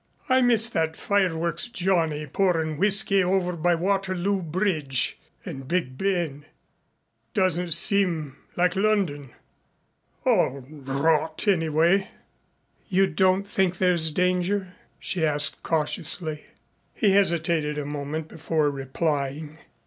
I miss that fireworks Johnny pourin' whiskey over by Waterloo Bridge and Big Ben. Doesn't seem like London. All rot anyway." "You don't think there's danger," she asked cautiously. He hesitated a moment before replying.